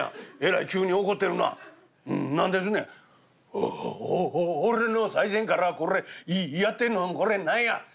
「おう俺の最前からこれやってんのこれ何や？」。